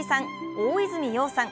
大泉洋さん